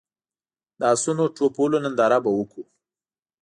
د اسونو ټوپ وهلو ننداره به وکړو.